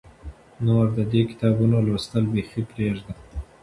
نور د دې کتابونو لوستل بیخي پرېږده.